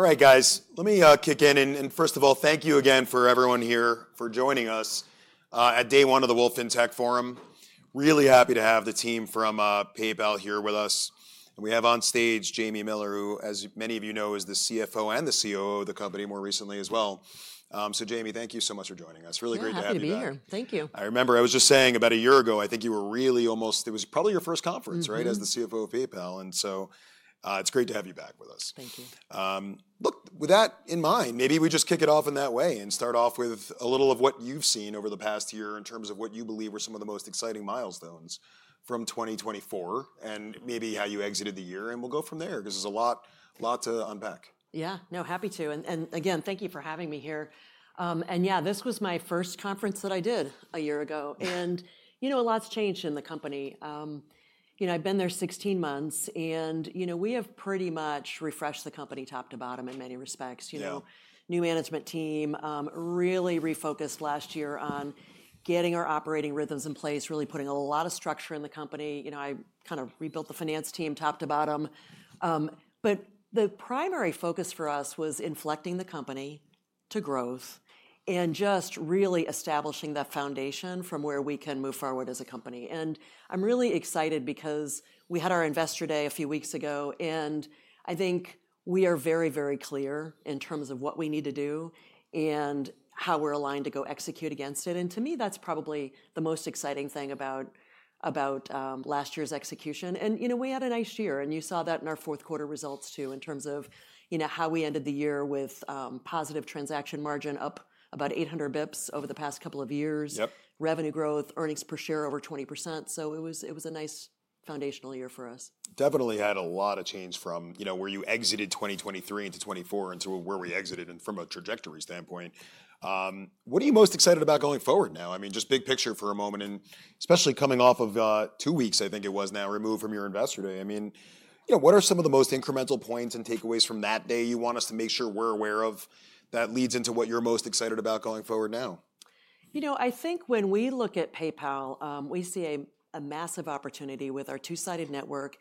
All right, guys, let me kick in. First of all, thank you again for everyone here for joining us at day one of the Wolfe FinTech Forum. Really happy to have the team from PayPal here with us. We have on stage Jamie Miller, who, as many of you know, is the CFO and the COO of the company more recently as well. Jamie, thank you so much for joining us. Really great to have you here. Happy to be here. Thank you. I remember I was just saying about a year ago, I think you were really almost, it was probably your first conference, right, as the CFO of PayPal. It is great to have you back with us. Thank you. Look, with that in mind, maybe we just kick it off in that way and start off with a little of what you've seen over the past year in terms of what you believe were some of the most exciting milestones from 2024 and maybe how you exited the year. We'll go from there because there's a lot to unpack. Yeah, no, happy to. Again, thank you for having me here. Yeah, this was my first conference that I did a year ago. You know a lot's changed in the company. You know I've been there 16 months. You know we have pretty much refreshed the company top to bottom in many respects. You know new management team, really refocused last year on getting our operating rhythms in place, really putting a lot of structure in the company. You know I kind of rebuilt the finance team top to bottom. The primary focus for us was inflecting the company to growth and just really establishing that foundation from where we can move forward as a company. I'm really excited because we had our Investor Day a few weeks ago. I think we are very, very clear in terms of what we need to do and how we're aligned to go execute against it. To me, that's probably the most exciting thing about last year's execution. You know we had a nice year. You saw that in our fourth quarter results too in terms of how we ended the year with positive transaction margin up about 800 basis points over the past couple of years, revenue growth, earnings per share over 20%. It was a nice foundational year for us. Definitely had a lot of change from where you exited 2023 into 2024 into where we exited and from a trajectory standpoint. What are you most excited about going forward now? I mean, just big picture for a moment. Especially coming off of two weeks, I think it was now, removed from your Investor Day. I mean, you know what are some of the most incremental points and takeaways from that day you want us to make sure we're aware of that leads into what you're most excited about going forward now? You know I think when we look at PayPal, we see a massive opportunity with our two-sided network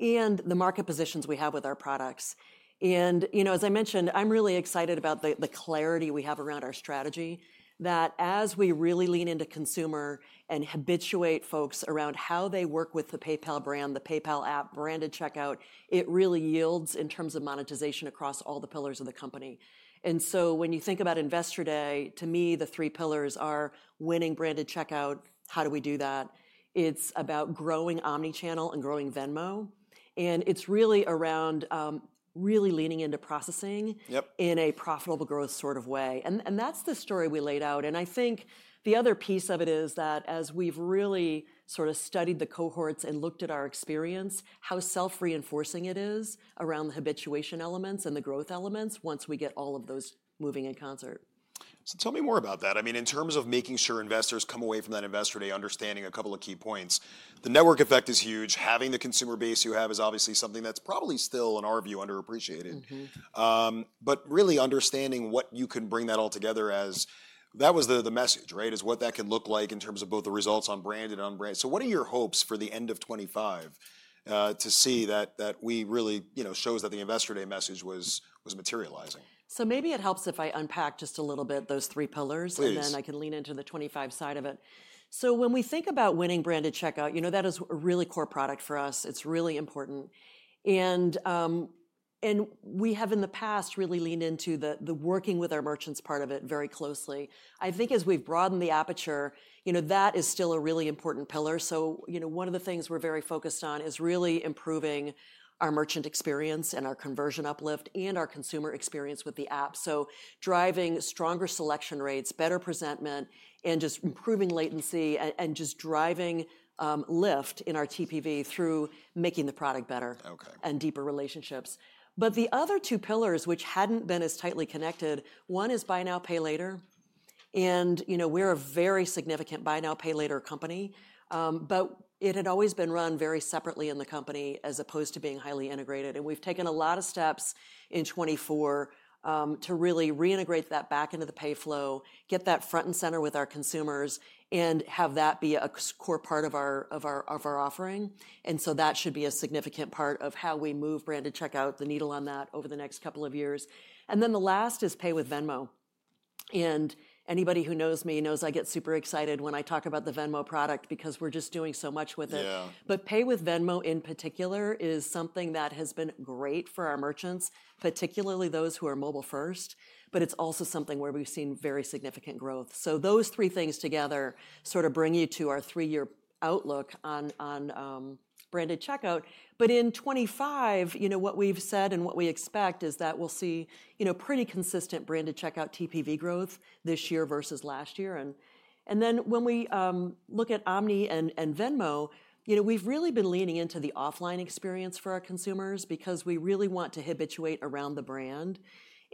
and the market positions we have with our products. You know as I mentioned, I'm really excited about the clarity we have around our strategy that as we really lean into consumer and habituate folks around how they work with the PayPal brand, the PayPal app, branded checkout, it really yields in terms of monetization across all the pillars of the company. When you think about Investor Day, to me, the three pillars are winning branded checkout. How do we do that? It's about growing Omnichannel and growing Venmo. It's really around really leaning into processing in a profitable growth sort of way. That's the story we laid out. I think the other piece of it is that as we've really sort of studied the cohorts and looked at our experience, how self-reinforcing it is around the habituation elements and the growth elements once we get all of those moving in concert. Tell me more about that. I mean, in terms of making sure investors come away from that Investor Day understanding a couple of key points. The network effect is huge. Having the consumer base you have is obviously something that's probably still, in our view, underappreciated. Really understanding what you can bring that all together as that was the message, right, is what that can look like in terms of both the results on Branded and Unbranded. What are your hopes for the end of 2025 to see that really shows that the Investor Day message was materializing? Maybe it helps if I unpack just a little bit those three pillars. Please. I can lean into the 2025 side of it. When we think about winning branded checkout, you know that is a really core product for us. It's really important. We have in the past really leaned into the working with our merchants part of it very closely. I think as we've broadened the aperture, you know that is still a really important pillar. You know one of the things we're very focused on is really improving our merchant experience and our conversion uplift and our consumer experience with the app. Driving stronger selection rates, better presentment, and just improving latency and just driving lift in our TPV through making the product better and deeper relationships. The other two pillars, which hadn't been as tightly connected, one is Buy Now Pay Later. You know we're a very significant Buy Now Pay Later company. It had always been run very separately in the company as opposed to being highly integrated. We have taken a lot of steps in 2024 to really reintegrate that back into the pay flow, get that front and center with our consumers, and have that be a core part of our offering. That should be a significant part of how we move branded checkout, the needle on that over the next couple of years. The last is pay with Venmo. Anybody who knows me knows I get super excited when I talk about the Venmo product because we are just doing so much with it. Pay with Venmo in particular is something that has been great for our merchants, particularly those who are mobile-first. It is also something where we have seen very significant growth. Those three things together sort of bring you to our three-year outlook on branded checkout. In 2025, you know what we've said and what we expect is that we'll see pretty consistent branded checkout TPV growth this year versus last year. When we look at Omni and Venmo, you know we've really been leaning into the offline experience for our consumers because we really want to habituate around the brand.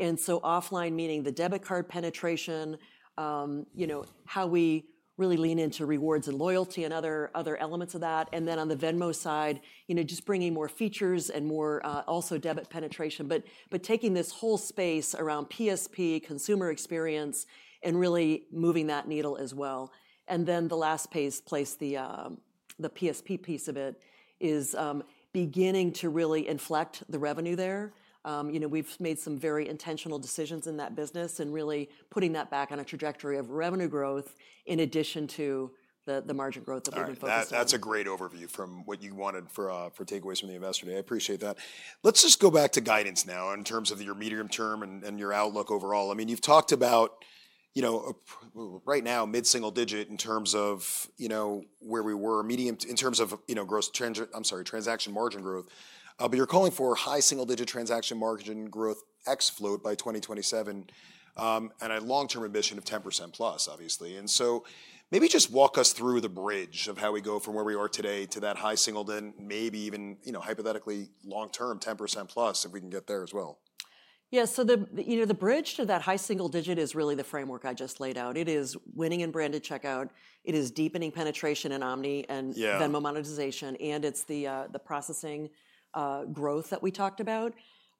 Offline meaning the debit card penetration, you know how we really lean into rewards and loyalty and other elements of that. On the Venmo side, you know just bringing more features and more also debit penetration. Taking this whole space around PSP, consumer experience, and really moving that needle as well. The last place the PSP piece of it is beginning to really inflect the revenue there. You know we've made some very intentional decisions in that business and really putting that back on a trajectory of revenue growth in addition to the margin growth that we've been focusing on. That's a great overview from what you wanted for takeaways from the Investor Day. I appreciate that. Let's just go back to guidance now in terms of your medium term and your outlook overall. I mean, you've talked about right now mid-single digit in terms of where we were, medium in terms of gross transaction margin growth. But you're calling for high single digit transaction margin growth ex-float by 2027 and a long-term ambition of 10%+, obviously. Maybe just walk us through the bridge of how we go from where we are today to that high single then maybe even hypothetically long-term 10%+ if we can get there as well. Yeah, the bridge to that high single digit is really the framework I just laid out. It is winning in branded checkout. It is deepening penetration in Omni and Venmo monetization. It is the processing growth that we talked about.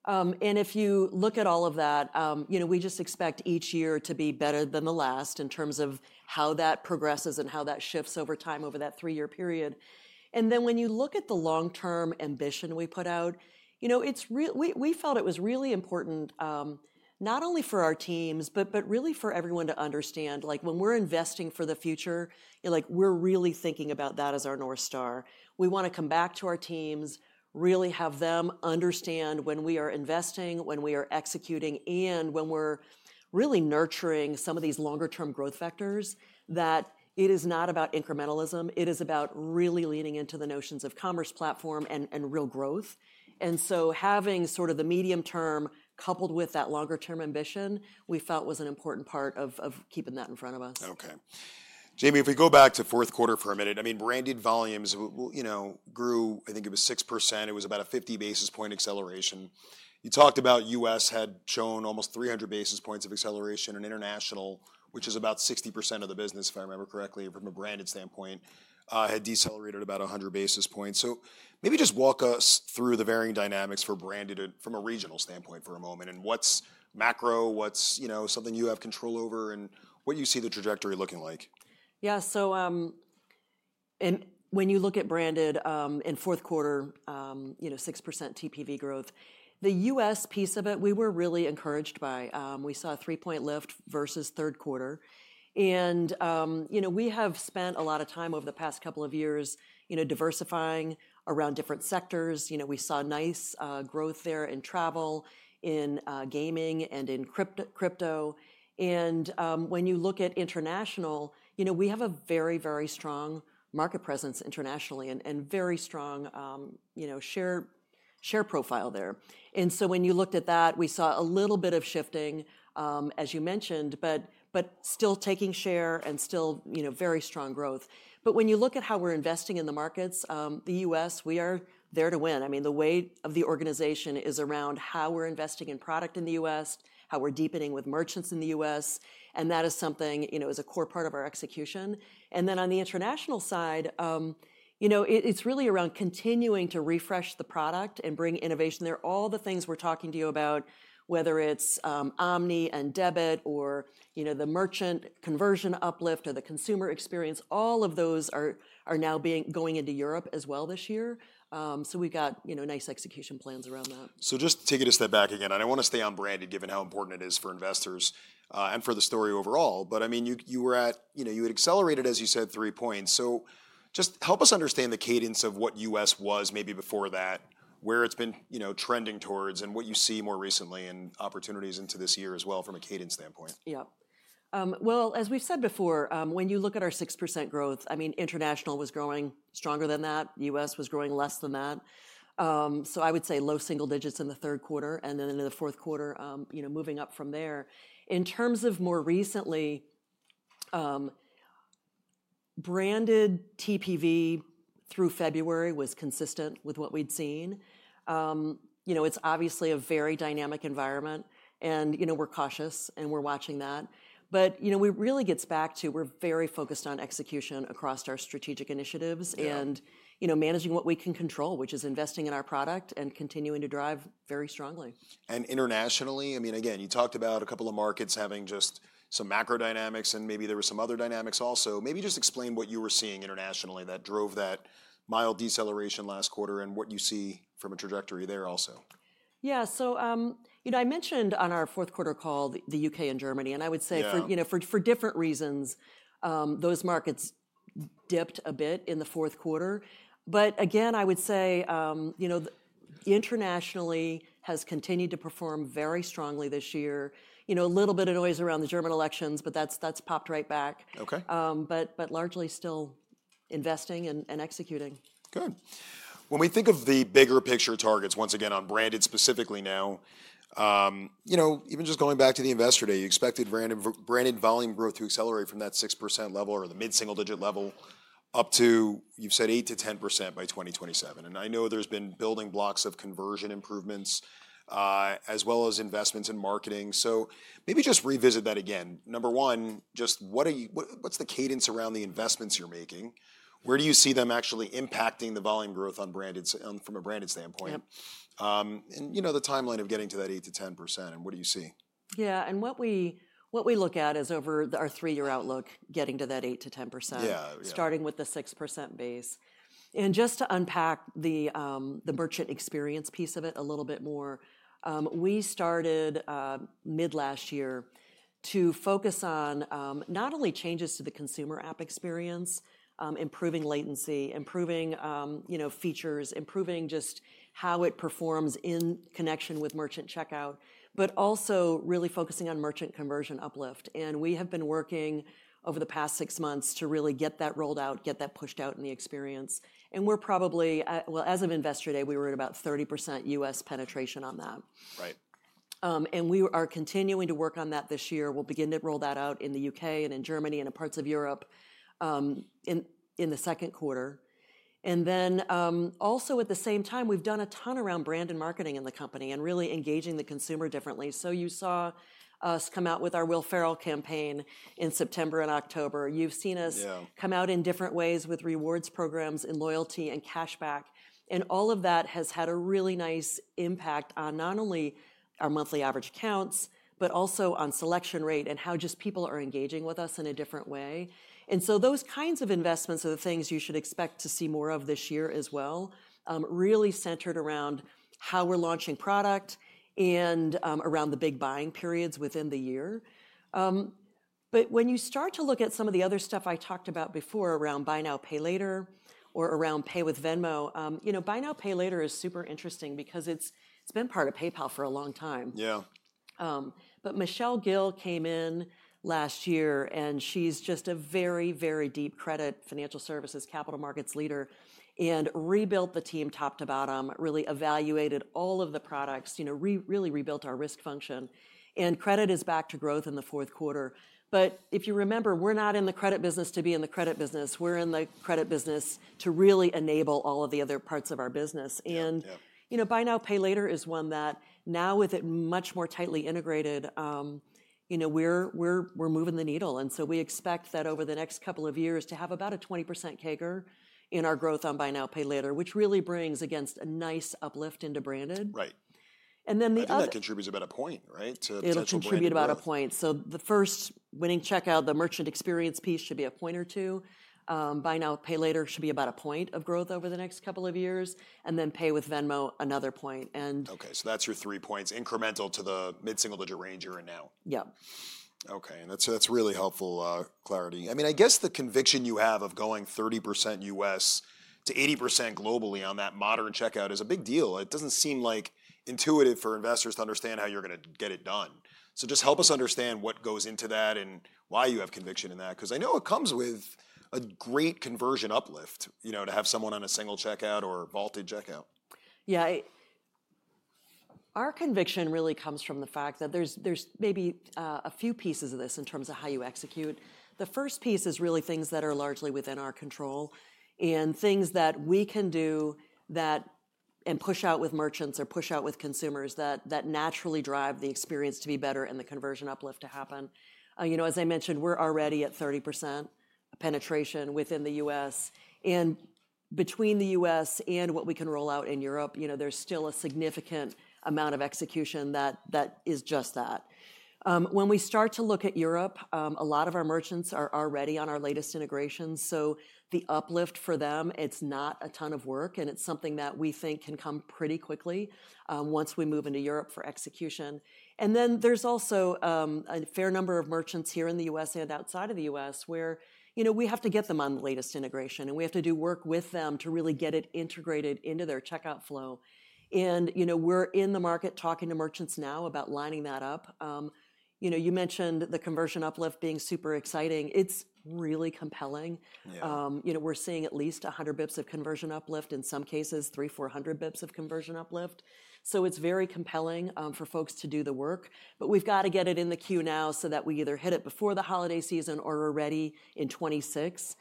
If you look at all of that, you know we just expect each year to be better than the last in terms of how that progresses and how that shifts over time over that three-year period. When you look at the long-term ambition we put out, you know we felt it was really important not only for our teams, but really for everyone to understand like when we're investing for the future, like we're really thinking about that as our North Star. We want to come back to our teams, really have them understand when we are investing, when we are executing, and when we're really nurturing some of these longer-term growth vectors that it is not about incrementalism. It is about really leaning into the notions of commerce platform and real growth. Having sort of the medium term coupled with that longer-term ambition, we felt was an important part of keeping that in front of us. Okay. Jamie, if we go back to fourth quarter for a minute, I mean, branded volumes grew, I think it was 6%. It was about a 50 basis point acceleration. You talked about U.S. had shown almost 300 basis points of acceleration and international, which is about 60% of the business, if I remember correctly, from a branded standpoint, had decelerated about 100 basis points. Maybe just walk us through the varying dynamics for branded from a regional standpoint for a moment and what's macro, what's something you have control over, and what you see the trajectory looking like. Yeah, so when you look at branded in fourth quarter, 6% TPV growth, the U.S. piece of it, we were really encouraged by. We saw a three-point lift versus third quarter. And you know we have spent a lot of time over the past couple of years diversifying around different sectors. You know we saw nice growth there in travel, in gaming, and in crypto. And when you look at international, you know we have a very, very strong market presence internationally and very strong share profile there. And so when you looked at that, we saw a little bit of shifting, as you mentioned, but still taking share and still very strong growth. When you look at how we're investing in the markets, the U.S., we are there to win. I mean, the weight of the organization is around how we're investing in product in the U.S., how we're deepening with merchants in the U.S. That is something as a core part of our execution. On the international side, you know it's really around continuing to refresh the product and bring innovation there. All the things we're talking to you about, whether it's Omni and debit or the merchant conversion uplift or the consumer experience, all of those are now going into Europe as well this year. We have nice execution plans around that. Just taking a step back again, I don't want to stay on branded given how important it is for investors and for the story overall. I mean, you were at, you had accelerated, as you said, three points. Just help us understand the cadence of what U.S. was maybe before that, where it's been trending towards and what you see more recently and opportunities into this year as well from a cadence standpoint. Yeah. As we've said before, when you look at our 6% growth, I mean, international was growing stronger than that. U.S. was growing less than that. I would say low single digits in the third quarter and then in the fourth quarter, moving up from there. In terms of more recently, branded TPV through February was consistent with what we'd seen. You know, it's obviously a very dynamic environment. You know, we're cautious and we're watching that. You know, we really get back to we're very focused on execution across our strategic initiatives and managing what we can control, which is investing in our product and continuing to drive very strongly. Internationally, I mean, again, you talked about a couple of markets having just some macro dynamics and maybe there were some other dynamics also. Maybe just explain what you were seeing internationally that drove that mild deceleration last quarter and what you see from a trajectory there also. Yeah. So you know I mentioned on our fourth quarter call the U.K. and Germany. I would say for different reasons, those markets dipped a bit in the fourth quarter. Again, I would say you know internationally has continued to perform very strongly this year. You know a little bit of noise around the German elections, but that's popped right back. Largely still investing and executing. Good. When we think of the bigger picture targets, once again, on branded specifically now, you know even just going back to the Investor Day, you expected branded volume growth to accelerate from that 6% level or the mid-single digit level up to, you've said, 8-10% by 2027. And I know there's been building blocks of conversion improvements as well as investments in marketing. Maybe just revisit that again. Number one, just what's the cadence around the investments you're making? Where do you see them actually impacting the volume growth from a branded standpoint? You know the timeline of getting to that 8-10% and what do you see? Yeah. What we look at is over our three-year outlook, getting to that 8-10%, starting with the 6% base. Just to unpack the merchant experience piece of it a little bit more, we started mid-last year to focus on not only changes to the consumer app experience, improving latency, improving features, improving just how it performs in connection with merchant checkout, but also really focusing on merchant conversion uplift. We have been working over the past six months to really get that rolled out, get that pushed out in the experience. We're probably, as of Investor Day, we were at about 30% U.S. penetration on that. We are continuing to work on that this year. We'll begin to roll that out in the U.K. and in Germany and in parts of Europe in the second quarter. At the same time, we've done a ton around brand and marketing in the company and really engaging the consumer differently. You saw us come out with our Will Ferrell campaign in September and October. You've seen us come out in different ways with rewards programs and loyalty and cashback. All of that has had a really nice impact on not only our monthly average accounts, but also on selection rate and how just people are engaging with us in a different way. Those kinds of investments are the things you should expect to see more of this year as well, really centered around how we're launching product and around the big buying periods within the year. When you start to look at some of the other stuff I talked about before around Buy Now Pay Later or around Pay with Venmo, you know Buy Now Pay Later is super interesting because it's been part of PayPal for a long time. Yeah. Michelle Gill came in last year and she's just a very, very deep credit financial services, capital markets leader, and rebuilt the team top to bottom, really evaluated all of the products, you know really rebuilt our risk function. Credit is back to growth in the fourth quarter. If you remember, we're not in the credit business to be in the credit business. We're in the credit business to really enable all of the other parts of our business. You know, Buy Now Pay Later is one that now with it much more tightly integrated, you know we're moving the needle. We expect that over the next couple of years to have about a 20% CAGR in our growth on Buy Now Pay Later, which really brings against a nice uplift into Branded. Right. That contributes about a point, right? It'll contribute about a point. The first winning checkout, the merchant experience piece should be a point or two. Buy Now Pay Later should be about a point of growth over the next couple of years. Then Pay with Venmo, another point. Okay. That's your three points incremental to the mid-single digit range you're in now. Yeah. Okay. That's really helpful clarity. I mean, I guess the conviction you have of going 30% U.S. to 80% globally on that modern checkout is a big deal. It doesn't seem intuitive for investors to understand how you're going to get it done. Just help us understand what goes into that and why you have conviction in that. Because I know it comes with a great conversion uplift to have someone on a single checkout or vaulted checkout. Yeah. Our conviction really comes from the fact that there's maybe a few pieces of this in terms of how you execute. The first piece is really things that are largely within our control and things that we can do that and push out with merchants or push out with consumers that naturally drive the experience to be better and the conversion uplift to happen. You know, as I mentioned, we're already at 30% penetration within the U.S. Between the U.S. and what we can roll out in Europe, you know there's still a significant amount of execution that is just that. When we start to look at Europe, a lot of our merchants are already on our latest integrations. So the uplift for them, it's not a ton of work. And it's something that we think can come pretty quickly once we move into Europe for execution. There is also a fair number of merchants here in the U.S. and outside of the U.S. where, you know, we have to get them on the latest integration. We have to do work with them to really get it integrated into their checkout flow. You know, we are in the market talking to merchants now about lining that up. You know, you mentioned the conversion uplift being super exciting. It is really compelling. We are seeing at least 100 basis points of conversion uplift, in some cases, 300-400 basis points of conversion uplift. It is very compelling for folks to do the work. We have to get it in the queue now so that we either hit it before the holiday season or we are ready in 2026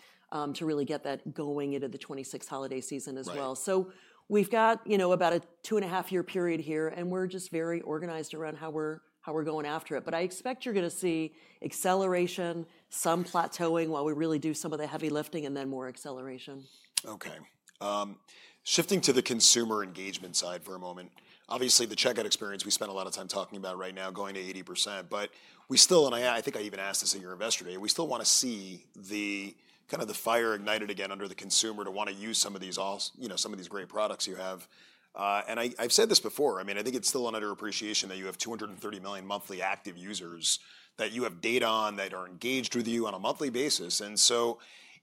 to really get that going into the 2026 holiday season as well. We've got about a two and a half year period here. And we're just very organized around how we're going after it. I expect you're going to see acceleration, some plateauing while we really do some of the heavy lifting, and then more acceleration. Okay. Shifting to the consumer engagement side for a moment. Obviously, the checkout experience we spend a lot of time talking about right now going to 80%. We still, and I think I even asked this at your Investor Day, we still want to see kind of the fire ignited again under the consumer to want to use some of these great products you have. I have said this before. I mean, I think it is still under appreciation that you have 230 million monthly active users that you have data on that are engaged with you on a monthly basis.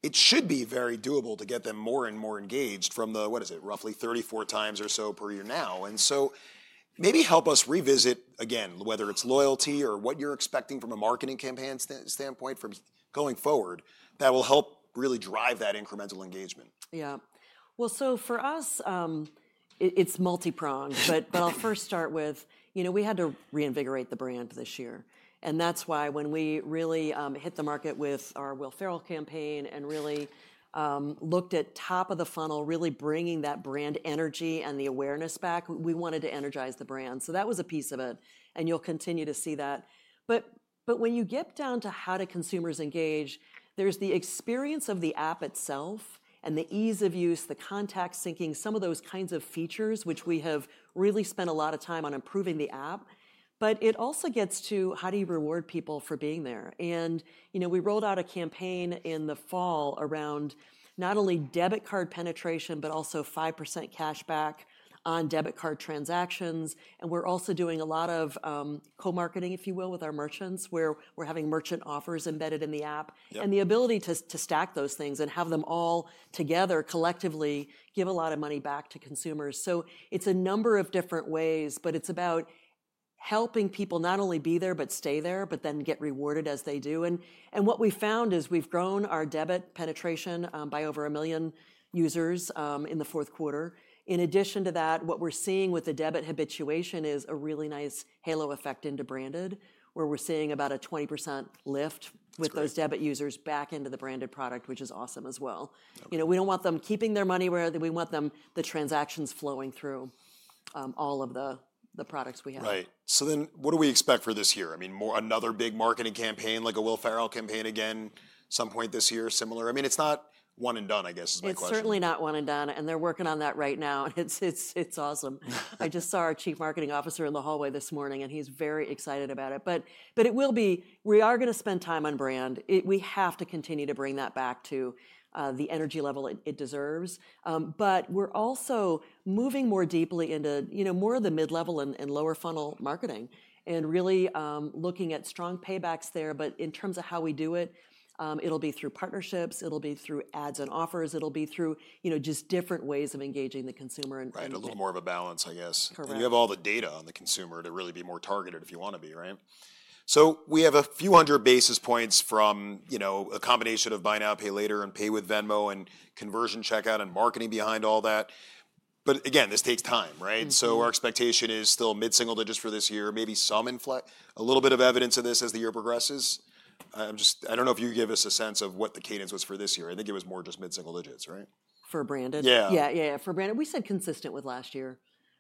It should be very doable to get them more and more engaged from the, what is it, roughly 34 times or so per year now. Maybe help us revisit again, whether it's loyalty or what you're expecting from a marketing campaign standpoint from going forward that will help really drive that incremental engagement. Yeah. For us, it's multipronged. I'll first start with, you know, we had to reinvigorate the brand this year. That's why when we really hit the market with our Will Ferrell campaign and really looked at top of the funnel, really bringing that brand energy and the awareness back, we wanted to energize the brand. That was a piece of it. You'll continue to see that. When you get down to how do consumers engage, there's the experience of the app itself and the ease of use, the contact syncing, some of those kinds of features, which we have really spent a lot of time on improving the app. It also gets to how do you reward people for being there. You know, we rolled out a campaign in the fall around not only debit card penetration, but also 5% cashback on debit card transactions. We are also doing a lot of co-marketing, if you will, with our merchants where we are having merchant offers embedded in the app and the ability to stack those things and have them all together collectively give a lot of money back to consumers. It is a number of different ways, but it is about helping people not only be there, but stay there, but then get rewarded as they do. What we found is we have grown our debit penetration by over 1 million users in the fourth quarter. In addition to that, what we're seeing with the debit habituation is a really nice halo effect into branded, where we're seeing about a 20% lift with those debit users back into the branded product, which is awesome as well. You know, we don't want them keeping their money where we want them, the transactions flowing through all of the products we have. Right. So then what do we expect for this year? I mean, another big marketing campaign like a Will Ferrell campaign again at some point this year, similar? I mean, it's not one and done, I guess is my question. It's certainly not one and done. They're working on that right now. It's awesome. I just saw our Chief Marketing Officer in the hallway this morning, and he's very excited about it. It will be, we are going to spend time on brand. We have to continue to bring that back to the energy level it deserves. We're also moving more deeply into more of the mid-level and lower funnel marketing and really looking at strong paybacks there. In terms of how we do it, it'll be through partnerships. It'll be through ads and offers. It'll be through just different ways of engaging the consumer. Right. A little more of a balance, I guess. You have all the data on the consumer to really be more targeted if you want to be, right? We have a few hundred basis points from a combination of Buy Now Pay Later and Pay with Venmo and conversion checkout and marketing behind all that. Again, this takes time, right? Our expectation is still mid-single digits for this year, maybe some a little bit of evidence of this as the year progresses. I do not know if you give us a sense of what the cadence was for this year. I think it was more just mid-single digits, right? For branded? Yeah. Yeah, yeah, yeah, for branded. We said consistent with last year.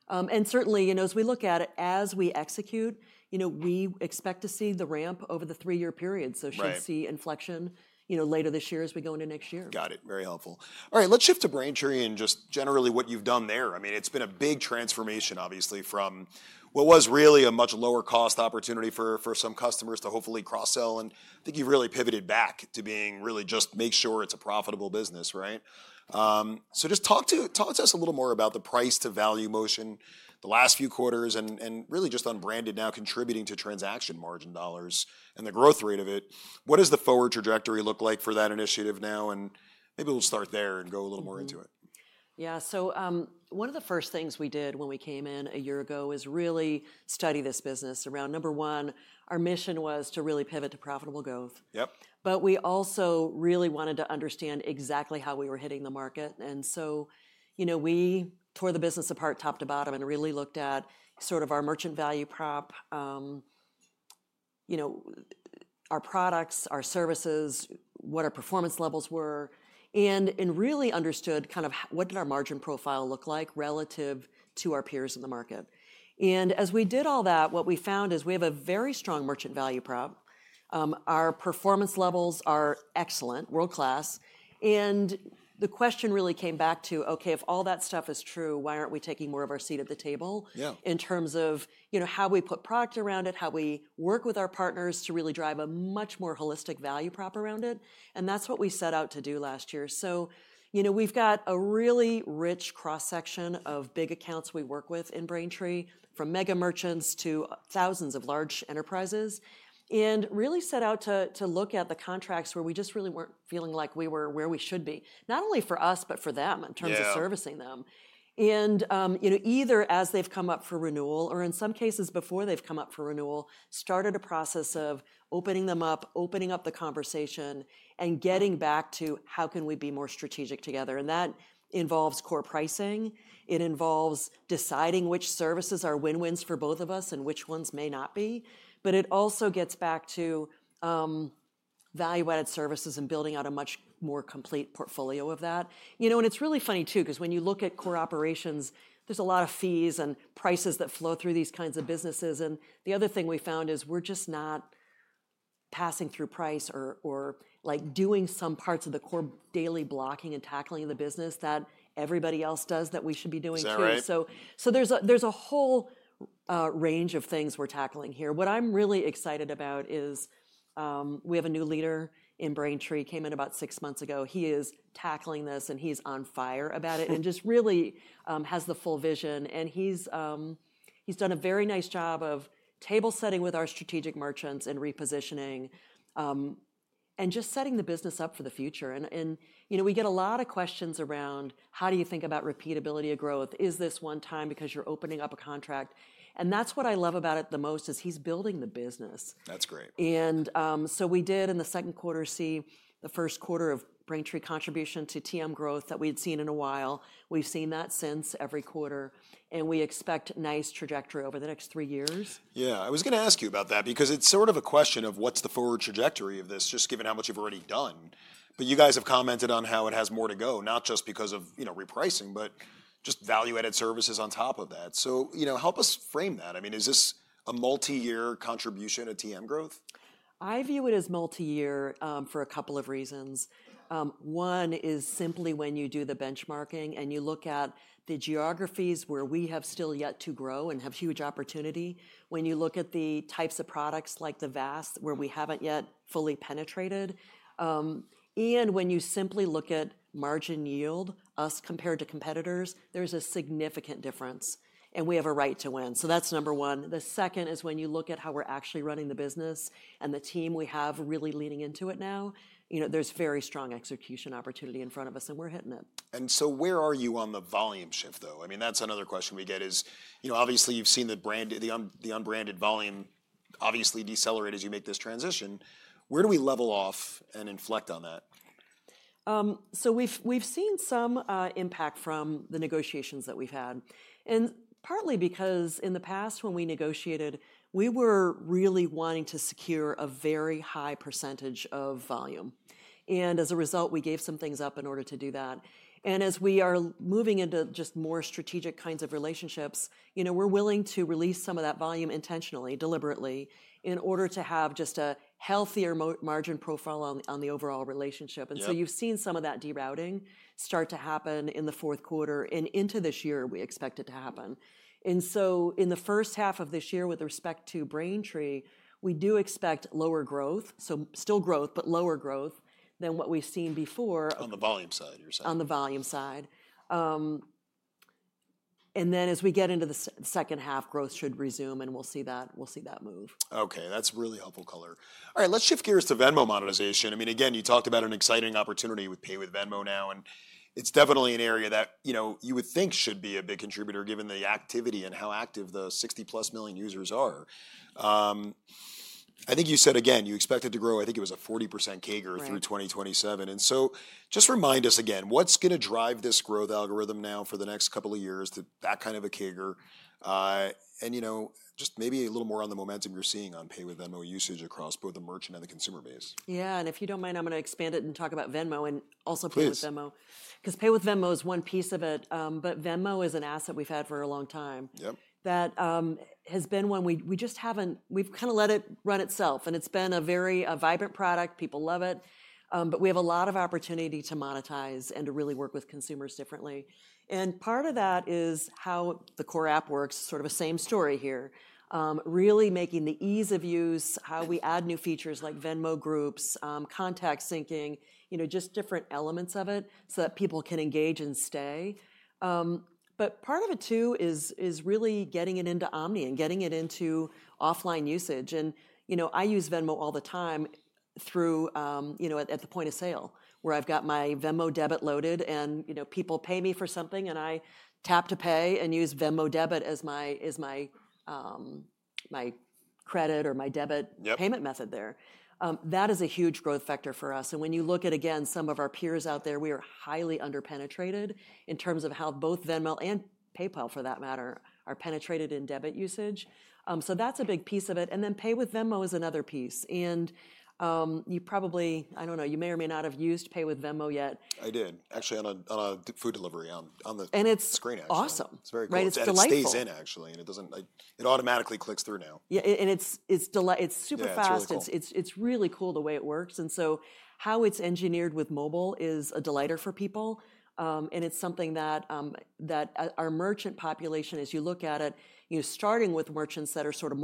And certainly, you know, as we look at it, as we execute, you know, we expect to see the ramp over the three-year period. Should we see inflection later this year as we go into next year? Got it. Very helpful. All right. Let's shift to Braintree and just generally what you've done there. I mean, it's been a big transformation, obviously, from what was really a much lower cost opportunity for some customers to hopefully cross-sell. I think you've really pivoted back to being really just make sure it's a profitable business, right? Just talk to us a little more about the price to value motion the last few quarters and really just on Branded now contributing to transaction margin dollars and the growth rate of it. What does the forward trajectory look like for that initiative now? Maybe we'll start there and go a little more into it. Yeah. One of the first things we did when we came in a year ago is really study this business around number one, our mission was to really pivot to profitable growth. We also really wanted to understand exactly how we were hitting the market. We tore the business apart top to bottom and really looked at sort of our merchant value prop, our products, our services, what our performance levels were, and really understood kind of what did our margin profile look like relative to our peers in the market. As we did all that, what we found is we have a very strong merchant value prop. Our performance levels are excellent, world-class. The question really came back to, okay, if all that stuff is true, why aren't we taking more of our seat at the table in terms of how we put product around it, how we work with our partners to really drive a much more holistic value prop around it. That is what we set out to do last year. We have got a really rich cross-section of big accounts we work with in Braintree, from mega merchants to thousands of large enterprises, and really set out to look at the contracts where we just really were not feeling like we were where we should be, not only for us, but for them in terms of servicing them. Either as they've come up for renewal or in some cases before they've come up for renewal, started a process of opening them up, opening up the conversation and getting back to how can we be more strategic together. That involves core pricing. It involves deciding which services are win-wins for both of us and which ones may not be. It also gets back to value-added services and building out a much more complete portfolio of that. It's really funny too, because when you look at core operations, there's a lot of fees and prices that flow through these kinds of businesses. The other thing we found is we're just not passing through price or doing some parts of the core daily blocking and tackling the business that everybody else does that we should be doing too. There is a whole range of things we are tackling here. What I am really excited about is we have a new leader in Braintree, came in about six months ago. He is tackling this and he is on fire about it and just really has the full vision. He has done a very nice job of table setting with our strategic merchants and repositioning and just setting the business up for the future. We get a lot of questions around how do you think about repeatability of growth. Is this one time because you are opening up a contract. That is what I love about it the most, he is building the business. That's great. We did in the second quarter see the first quarter of Braintree contribution to TM growth that we'd seen in a while. We've seen that since every quarter. We expect nice trajectory over the next three years. Yeah. I was going to ask you about that because it's sort of a question of what's the forward trajectory of this just given how much you've already done. You guys have commented on how it has more to go, not just because of repricing, but just value-added services on top of that. Help us frame that. I mean, is this a multi-year contribution to TM growth? I view it as multi-year for a couple of reasons. One is simply when you do the benchmarking and you look at the geographies where we have still yet to grow and have huge opportunity. When you look at the types of products like the VAS where we haven't yet fully penetrated. When you simply look at margin yield, us compared to competitors, there's a significant difference. We have a right to win. That's number one. The second is when you look at how we're actually running the business and the team we have really leaning into it now, there's very strong execution opportunity in front of us and we're hitting it. Where are you on the volume shift though? I mean, that's another question we get is obviously you've seen the unbranded volume obviously decelerate as you make this transition. Where do we level off and inflect on that? We have seen some impact from the negotiations that we have had. Partly because in the past when we negotiated, we were really wanting to secure a very high percentage of volume. As a result, we gave some things up in order to do that. As we are moving into just more strategic kinds of relationships, we are willing to release some of that volume intentionally, deliberately in order to have just a healthier margin profile on the overall relationship. You have seen some of that derouting start to happen in the fourth quarter and into this year we expect it to happen. In the first half of this year with respect to Braintree, we do expect lower growth, still growth, but lower growth than what we have seen before. On the volume side, you're saying? On the volume side. As we get into the second half, growth should resume and we'll see that move. Okay. That's really helpful color. All right. Let's shift gears to Venmo monetization. I mean, again, you talked about an exciting opportunity with Pay with Venmo now. And it's definitely an area that you would think should be a big contributor given the activity and how active the 60+ million users are. I think you said again, you expected to grow, I think it was a 40% CAGR through 2027. And so just remind us again, what's going to drive this growth algorithm now for the next couple of years to that kind of a CAGR? And just maybe a little more on the momentum you're seeing on Pay with Venmo usage across both the merchant and the consumer base. Yeah. If you don't mind, I'm going to expand it and talk about Venmo and also Pay with Venmo. Because Pay with Venmo is one piece of it. Venmo is an asset we've had for a long time that has been one we just haven't, we've kind of let it run itself. It's been a very vibrant product. People love it. We have a lot of opportunity to monetize and to really work with consumers differently. Part of that is how the core app works, sort of a same story here, really making the ease of use, how we add new features like Venmo Groups, contact syncing, just different elements of it so that people can engage and stay. Part of it too is really getting it into Omni and getting it into offline usage. I use Venmo all the time at the point of sale where I've got my Venmo Debit loaded and people pay me for something and I tap to pay and use Venmo Debit as my credit or my debit payment method there. That is a huge growth factor for us. When you look at, again, some of our peers out there, we are highly underpenetrated in terms of how both Venmo and PayPal, for that matter, are penetrated in debit usage. That's a big piece of it. Pay with Venmo is another piece. You probably, I don't know, you may or may not have used Pay with Venmo yet. I did. Actually, on a food delivery on the screen actually. It is awesome. It's very quick. Right. It's delightful. It stays in actually. It automatically clicks through now. Yeah. It is super fast. It is really cool the way it works. How it is engineered with mobile is a delighter for people. It is something that our merchant population, as you look at it, starting with merchants that are sort of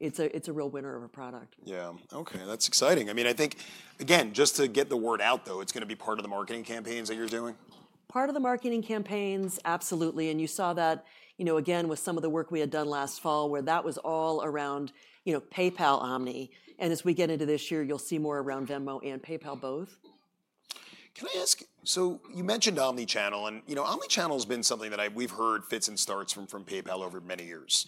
mobile-first, is a real winner of a product. Yeah. Okay. That's exciting. I mean, I think, again, just to get the word out though, it's going to be part of the marketing campaigns that you're doing? Part of the marketing campaigns, absolutely. You saw that, again, with some of the work we had done last fall where that was all around PayPal Omni. As we get into this year, you'll see more around Venmo and PayPal both. Can I ask, you mentioned Omnichannel. Omnichannel has been something that we've heard fits and starts from PayPal over many years.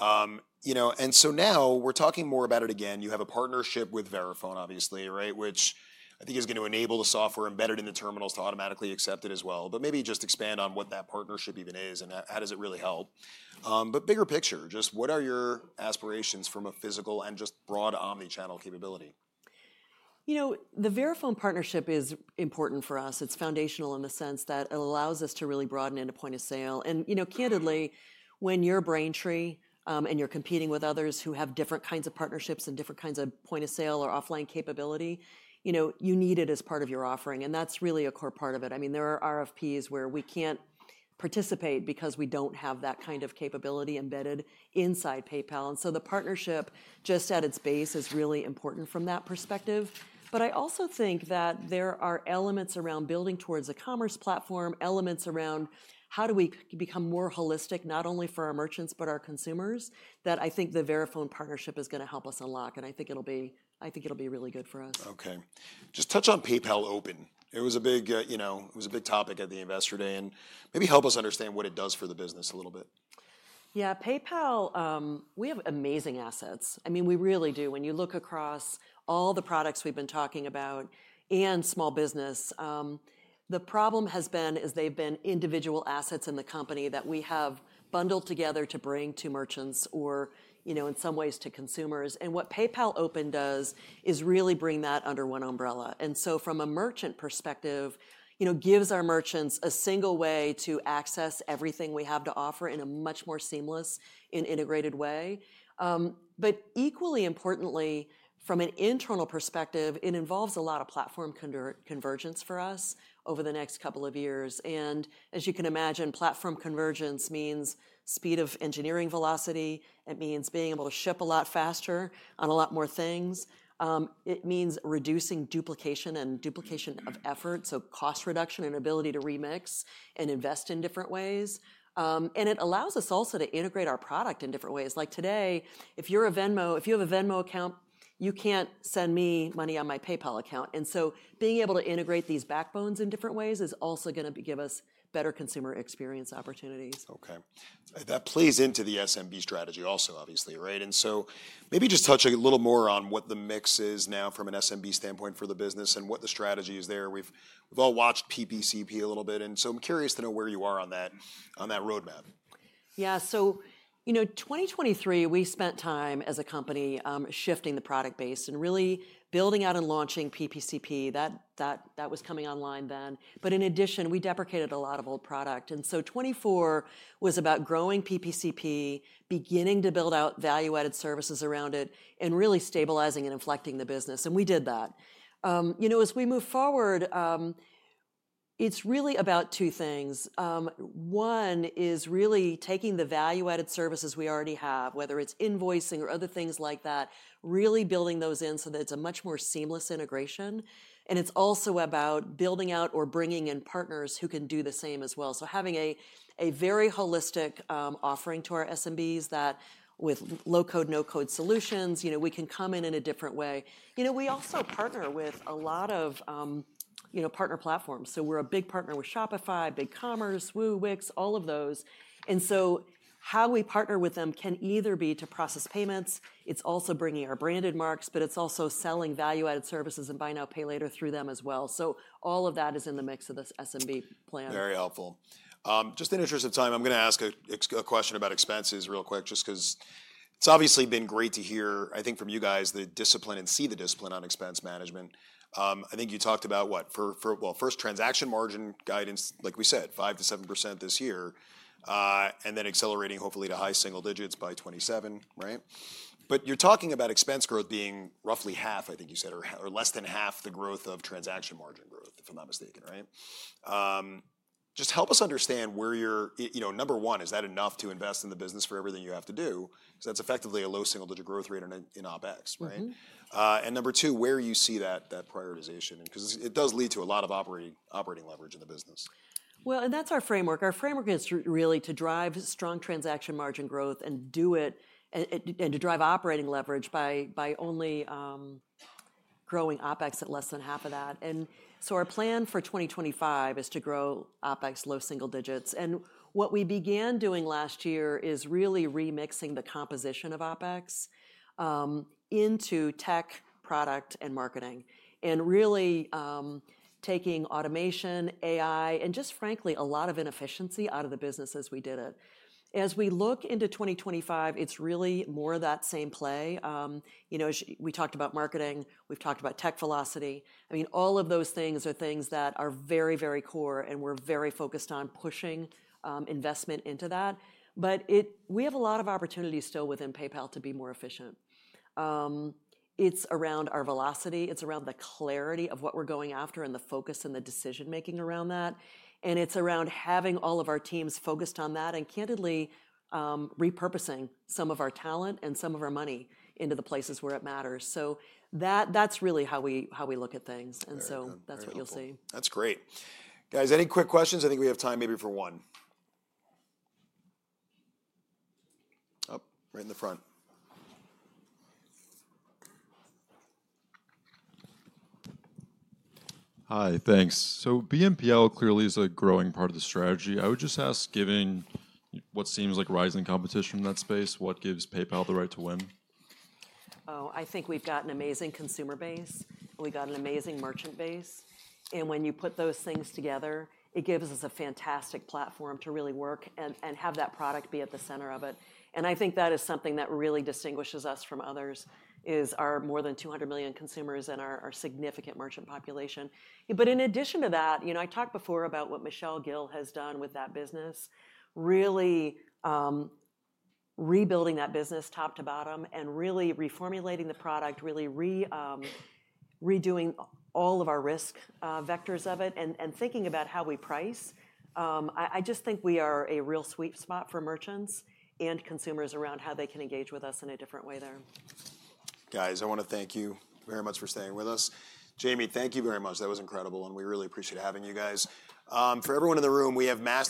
Now we're talking more about it again. You have a partnership with Verifone obviously, right, which I think is going to enable the software embedded in the terminals to automatically accept it as well. Maybe just expand on what that partnership even is and how does it really help. Bigger picture, what are your aspirations from a physical and just broad Omnichannel capability? You know, the Verifone partnership is important for us. It's foundational in the sense that it allows us to really broaden into point of sale. Candidly, when you're Braintree and you're competing with others who have different kinds of partnerships and different kinds of point of sale or offline capability, you need it as part of your offering. That's really a core part of it. I mean, there are RFPs where we can't participate because we don't have that kind of capability embedded inside PayPal. The partnership just at its base is really important from that perspective. I also think that there are elements around building towards a commerce platform, elements around how do we become more holistic, not only for our merchants, but our consumers that I think the Verifone partnership is going to help us unlock. I think it'll be really good for us. Okay. Just touch on PayPal Open. It was a big topic at the Investor Day and maybe help us understand what it does for the business a little bit. Yeah. PayPal, we have amazing assets. I mean, we really do. When you look across all the products we've been talking about and small business, the problem has been is they've been individual assets in the company that we have bundled together to bring to merchants or in some ways to consumers. What PayPal Open does is really bring that under one umbrella. From a merchant perspective, gives our merchants a single way to access everything we have to offer in a much more seamless and integrated way. Equally importantly, from an internal perspective, it involves a lot of platform convergence for us over the next couple of years. As you can imagine, platform convergence means speed of engineering velocity. It means being able to ship a lot faster on a lot more things. It means reducing duplication and duplication of effort, so cost reduction and ability to remix and invest in different ways. It allows us also to integrate our product in different ways. Like today, if you're a Venmo, if you have a Venmo account, you can't send me money on my PayPal account. Being able to integrate these backbones in different ways is also going to give us better consumer experience opportunities. Okay. That plays into the SMB strategy also obviously, right? Maybe just touch a little more on what the mix is now from an SMB standpoint for the business and what the strategy is there. We've all watched PPCP a little bit. I'm curious to know where you are on that roadmap. Yeah. So 2023, we spent time as a company shifting the product base and really building out and launching PPCP. That was coming online then. In addition, we deprecated a lot of old product. 2024 was about growing PPCP, beginning to build out value-added services around it and really stabilizing and inflecting the business. We did that. As we move forward, it is really about two things. One is really taking the value-added services we already have, whether it is invoicing or other things like that, really building those in so that it is a much more seamless integration. It is also about building out or bringing in partners who can do the same as well. Having a very holistic offering to our SMBs that with Low-Code/No-Code solutions, we can come in in a different way. We also partner with a lot of partner platforms. We're a big partner with Shopify, BigCommerce, WooCommerce, Wix, all of those. How we partner with them can either be to process payments. It's also bringing our branded marks, but it's also selling value-added services and Buy Now Pay Later through them as well. All of that is in the mix of this SMB plan. Very helpful. Just in interest of time, I'm going to ask a question about expenses real quick just because it's obviously been great to hear, I think from you guys, the discipline and see the discipline on expense management. I think you talked about what? First, transaction margin guidance, like we said, 5%-7% this year. And then accelerating hopefully to high single digits by 2027, right? But you're talking about expense growth being roughly half, I think you said, or less than half the growth of transaction margin growth, if I'm not mistaken, right? Just help us understand where you're, number one, is that enough to invest in the business for everything you have to do? Because that's effectively a low single digit growth rate in OpEx, right? And number two, where you see that prioritization? Because it does lead to a lot of operating leverage in the business. That is our framework. Our framework is really to drive strong transaction margin growth and do it and to drive operating leverage by only growing OpEx at less than half of that. Our plan for 2025 is to grow OpEx low single digits. What we began doing last year is really remixing the composition of OpEx into tech, product, and marketing. Really taking automation, AI, and just frankly, a lot of inefficiency out of the business as we did it. As we look into 2025, it is really more of that same play. We talked about marketing. We have talked about tech velocity. I mean, all of those things are things that are very, very core and we are very focused on pushing investment into that. We have a lot of opportunity still within PayPal to be more efficient. It is around our velocity. It's around the clarity of what we're going after and the focus and the decision-making around that. It's around having all of our teams focused on that and candidly repurposing some of our talent and some of our money into the places where it matters. That's really how we look at things. That's what you'll see. That's great. Guys, any quick questions? I think we have time maybe for one. Oh, right in the front. Hi, thanks. BNPL clearly is a growing part of the strategy. I would just ask, given what seems like rising competition in that space, what gives PayPal the right to win? Oh, I think we've got an amazing consumer base. We've got an amazing merchant base. When you put those things together, it gives us a fantastic platform to really work and have that product be at the center of it. I think that is something that really distinguishes us from others is our more than 200 million consumers and our significant merchant population. In addition to that, I talked before about what Michelle Gill has done with that business, really rebuilding that business top to bottom and really reformulating the product, really redoing all of our risk vectors of it and thinking about how we price. I just think we are a real sweet spot for merchants and consumers around how they can engage with us in a different way there. Guys, I want to thank you very much for staying with us. Jamie, thank you very much. That was incredible. We really appreciate having you guys. For everyone in the room, we have Mass.